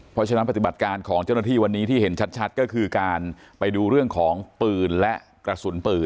เพราะฉะนั้นปฏิบัติการของเจ้าหน้าที่วันนี้ที่เห็นชัดก็คือการไปดูเรื่องของปืนและกระสุนปืน